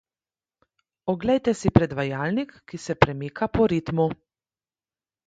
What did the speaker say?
Oglejte si predvajalnik, ki se premika po ritmu.